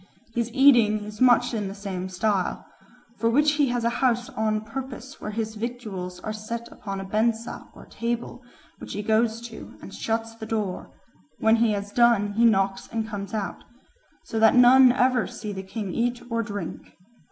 ... His eating is much in the same style, for which he has a house on purpose, where his victuals are set upon a bensa or table: which he goes to, and shuts the door: when he has done, he knocks and comes out. So that none ever see the king eat or drink.